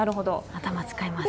頭使いますね。